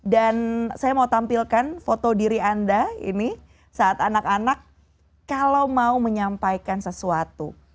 dan saya mau tampilkan foto diri anda ini saat anak anak kalau mau menyampaikan sesuatu